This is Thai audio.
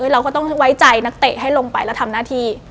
เราก็ต้องไว้ใจนักเตะให้ลงไปแล้วทำหน้าที่